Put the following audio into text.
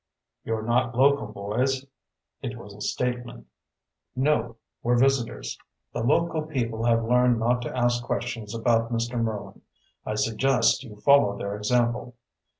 "You're not local boys." It was a statement. "No. We're visitors." "The local people have learned not to ask questions about Mr. Merlin. I suggest you follow their example."